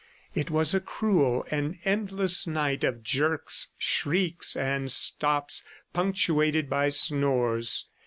It was a cruel and endless night of jerks, shrieks and stops punctuated by snores.